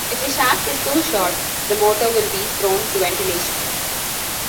If the shaft is too short, the motor will be prone to ventilation.